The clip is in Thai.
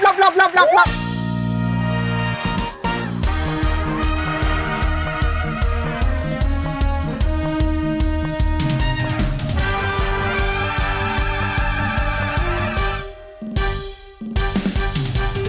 โปรดติดตามตอนต่อไป